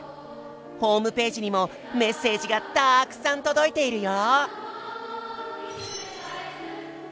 ホームページにもメッセージがたくさん届いているよ！